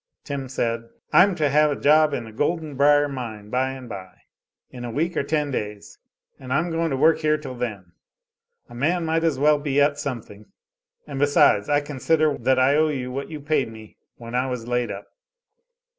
Tim said: "I'm to have a job in the Golden Brier mine by and by in a week or ten days and I'm going to work here till then. A man might as well be at some thing, and besides I consider that I owe you what you paid me when I was laid up."